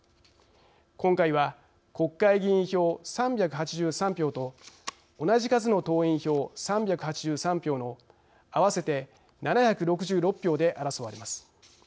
今回は、国会議員票３８３票と同じ数の党員票３８３票の合わせて７６６票で争われます。